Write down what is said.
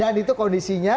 dan itu kondisinya